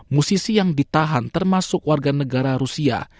musisi yang ditahan termasuk warga negara rusia